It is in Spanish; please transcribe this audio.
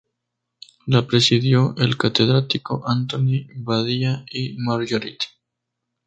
Lo presidió el catedrático Antoni Badia i Margarit.